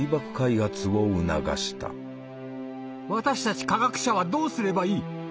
私たち科学者はどうすればいい？